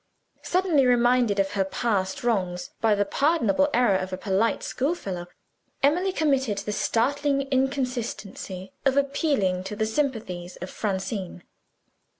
Suddenly reminded of her past wrongs (by the pardonable error of a polite schoolfellow), Emily committed the startling inconsistency of appealing to the sympathies of Francine!